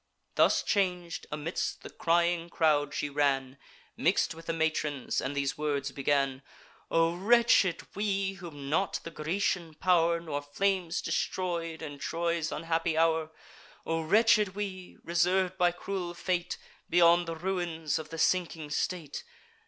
Thus chang'd, amidst the crying crowd she ran, Mix'd with the matrons, and these words began: "O wretched we, whom not the Grecian pow'r, Nor flames, destroy'd, in Troy's unhappy hour! O wretched we, reserv'd by cruel fate, Beyond the ruins of the sinking state!